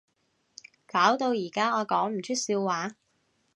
搞到而家我講唔出笑話